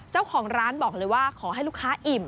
เจ้าของร้านบอกเลยว่าขอให้ลูกค้าอิ่ม